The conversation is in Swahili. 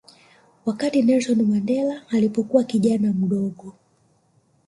Wakati Nelson Mandela alipokuwa kijana mdogo